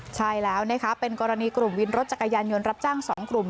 ใช่แล้วนะคะเป็นกรณีกลุ่มวินรถจักรยานยนต์รับจ้าง๒กลุ่ม